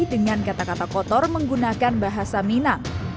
dengan kata kata kotor menggunakan bahasa minang